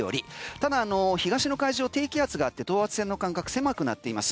ただ東の海上低気圧があって等圧線の間隔狭くなっています。